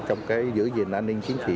trong cái giữ gìn an ninh chiến trị